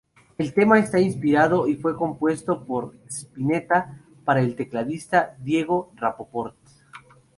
El tema está inspirado y fue compuesto por Spinetta para el tecladista Diego Rapoport.